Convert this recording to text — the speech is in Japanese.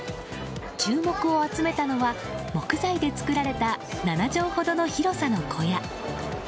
注目を集めたのは木材で作られた７畳ほどの広さの小屋。